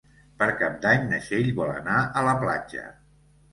Per Cap d'Any na Txell vol anar a la platja.